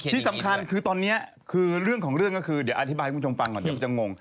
ที่สำคัญคือตอนนี้คือเรื่องของเรื่องก็คือเดี๋ยวอธิบายให้คุณผู้ชมฟังก่อนเดี๋ยวจะงง